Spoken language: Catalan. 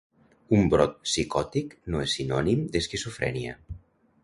Un brot psicòtic no és sinònim d'esquizofrènia.